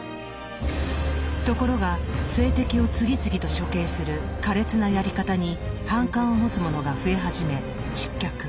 ところが政敵を次々と処刑する苛烈なやり方に反感を持つ者が増え始め失脚。